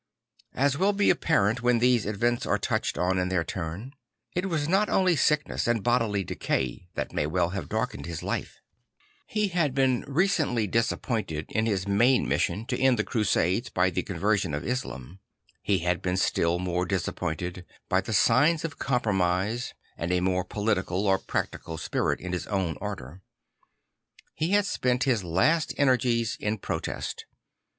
As will be apparent when these events are touched on in their turn, it was not only sickness and bodily decay that may well have darkened his life; he had been recently disappointed in his main mission to end the Crusades by the conversion of Islam; he had been still more disappointed by the signs of compromise and a more political or practical spirit in his own order; he had spent his last energies in protest.